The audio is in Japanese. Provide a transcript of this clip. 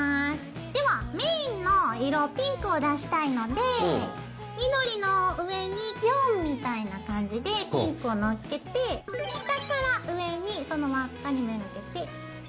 ではメインの色ピンクを出したいので緑の上に４みたいな感じでピンクを載っけて下から上にその輪っかに目がけて持ってきます。